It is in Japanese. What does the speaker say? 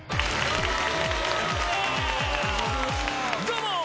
どうも！